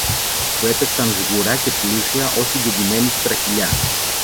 που έπεφταν σγουρά και πλούσια ως την κεντημένη του τραχηλιά.